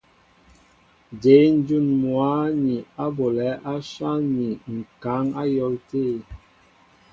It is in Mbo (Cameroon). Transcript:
Jě ǹjún mwǎ ni á bolɛ̌ áshán ni ŋ̀kaŋ á yɔ̌l tê ?